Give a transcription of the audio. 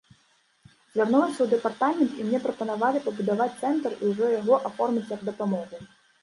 Звярнулася ў дэпартамент, і мне прапанавалі пабудаваць цэнтр і ўжо яго аформіць як дапамогу.